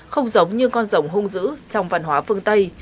không giống như con rồng hung dữ trong văn hóa phương tây